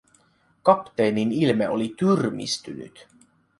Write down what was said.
Kapteenin ilme oli tyrmistynyt.